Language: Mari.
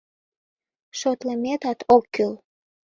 — Шотлыметат ок кӱл.